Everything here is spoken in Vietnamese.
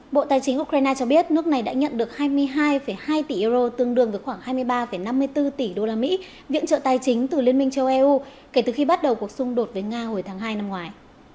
bộ tài chính ukraine cho biết nước này đã nhận được hai mươi hai hai tỷ euro tương đương với khoảng hai mươi ba năm mươi bốn tỷ usd viện trợ tài chính từ liên minh châu eu kể từ khi bắt đầu cuộc xung đột với nga hồi tháng hai năm ngoài